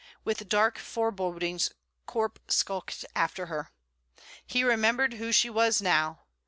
With dark forebodings Corp skulked after her. He remembered who she was now.